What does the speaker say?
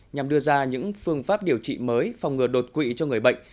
nhằm đưa ra những phương pháp điều trị mới phòng ngừa đột quỵ cho người bệnh